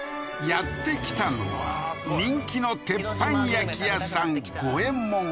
やって来たのは人気の鉄板焼き屋さん